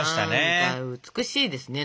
美しいですね。